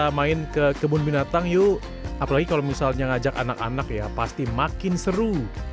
saya main ke kebun binatang yuk apalagi kalau misalnya ngajak anak anak ya pasti makin seru